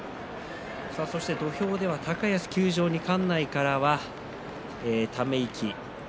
土俵では高安休場に館内からは、ため息。